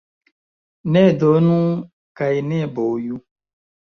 Ne donu kaj ne boju.